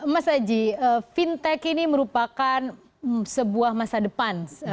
mas aji fintech ini merupakan sebuah masa depan